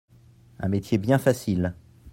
Un métier bien facile.